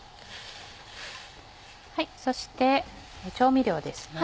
そして調味料ですね。